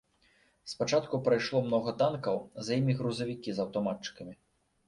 Спачатку прайшло многа танкаў, за імі грузавікі з аўтаматчыкамі.